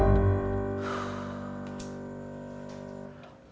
masa udah tua masih punya anak bayi